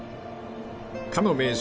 ［かの名将